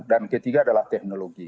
dan ketiga adalah teknologi